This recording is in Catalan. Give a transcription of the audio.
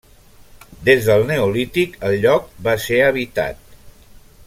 Des del neolític, el lloc va ser habitat.